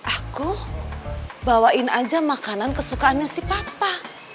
aku bawain aja makanan kesukaannya si papa